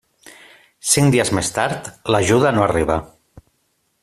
Cinc dies més tard, l’ajuda no arriba.